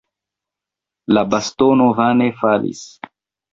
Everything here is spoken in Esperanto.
La bastono vane falis.